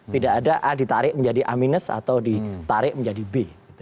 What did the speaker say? tidak ada a ditarik menjadi a minus atau ditarik menjadi b